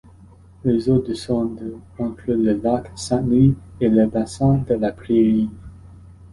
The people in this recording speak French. Les eaux descendent de entre le lac Saint-Louis et le bassin de La Prairie.